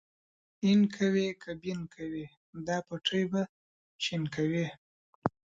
اين کوې که بېن کوې دا پټی به شين کوې.